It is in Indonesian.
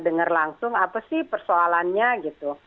dengar langsung apa sih persoalannya gitu